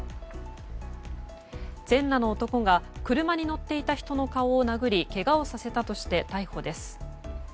全裸の男が車に乗っていた人の顔を殴りけがをさせたとして逮捕です。